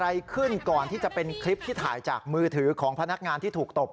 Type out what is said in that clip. อะไรขึ้นก่อนที่จะเป็นคลิปที่ถ่ายจากมือถือของพนักงานที่ถูกตบ